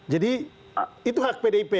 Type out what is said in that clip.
jadi itu hak pdip